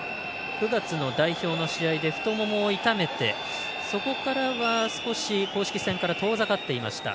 ９月の代表の試合で太ももを痛めてそこからは少し公式戦からは遠ざかっていました。